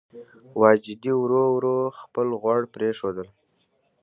واجدې ورو ورو خپل غوړ پرېښودل.